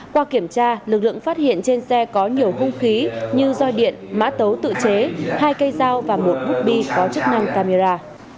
qua kiểm tra lực lượng phát hiện trên xe có nhiều hung khí như roi điện mã tấu tự chế hai cây dao và một bút bi có chức năng camera